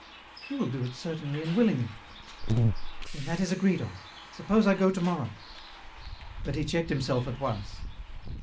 " He will do it certainly and willingly. " Then that is agreed on ; suppose I go to morrow ?" But he checked himself at once.